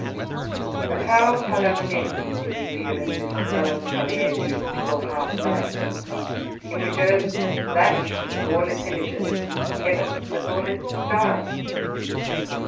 But how hollow and empty did we feel in this melancholy, atheistical half night, in which earth vanished with all its images, heaven with all its stars.